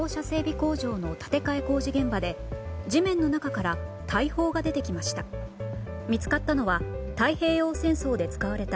工場の建て替え工事現場で地面の中から大砲が出てきました。